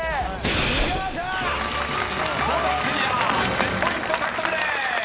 １０ポイント獲得です］